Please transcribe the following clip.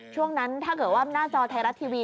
ช่วงนั้นถ้าเกิดว่าหน้าจอไทยรัฐทีวี